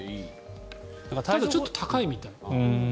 ただ、ちょっと高いみたい。